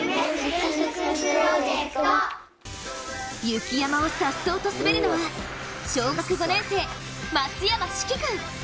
雪山をさっそうと滑るのは小学５年生、松山詩季君。